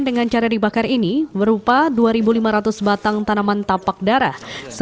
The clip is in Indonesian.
dengan cara dibakar ini berupa dua lima ratus batang tanaman tapak darah